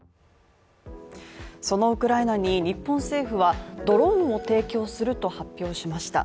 そのウクライナに日本政府はドローンを提供すると発表しました。